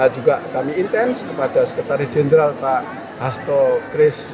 juga kami intens kepada sekretaris jenderal pak astogris